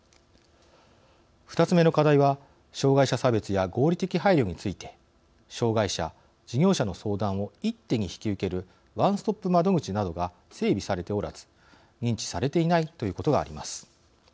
２つ目の課題は障害者差別や合理的配慮について障害者、事業者の相談を一手に引き受けるワンストップ窓口などが整備されておらず認知されていないということがあります。